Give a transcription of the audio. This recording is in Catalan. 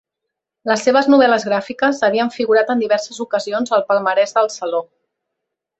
Les seves novel·les gràfiques havien figurat en diverses ocasions al palmarès del Saló.